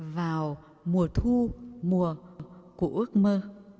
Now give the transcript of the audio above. vào mùa thu mùa của ước mơ